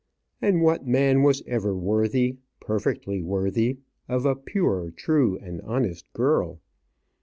And what man was ever worthy, perfectly worthy, of a pure, true, and honest girl?